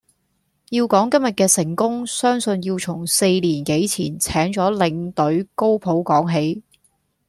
要講今日嘅成功，相信要從四年幾前請咗領隊高普講起。